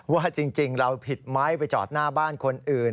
ว่าจริงเราผิดไหมไปจอดหน้าบ้านคนอื่น